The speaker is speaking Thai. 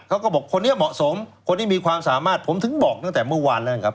เขาก็บอกคนนี้เหมาะสมคนที่มีความสามารถผมถึงบอกตั้งแต่เมื่อวานแล้วนะครับ